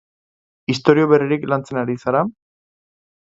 Istorio berririk lantzen ari zara?